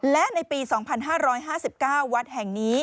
และในปี๒๕๕๙วัดแห่งนี้